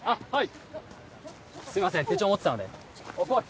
はい。